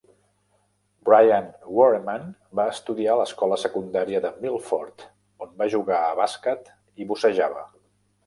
Brian Woermann va estudiar a l'escola secundària de Milford, on va jugar a bàsquet i bussejava.